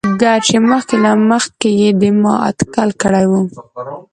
ګر چې مخکې له مخکې يې ما دا اتکل کړى وو.